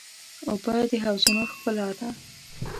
اوبه د حوضونو ښکلا ده.